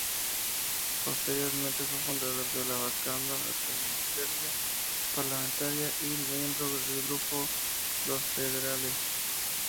Posteriormente fue fundador de la Bancada Verde Parlamentaria, y miembro del Grupo Los Federales.